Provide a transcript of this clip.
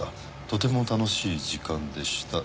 「とても楽しい時間でした」